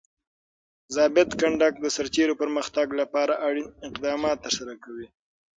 ضابط کنډک د سرتیرو پرمختګ لپاره اړین اقدامات ترسره کوي.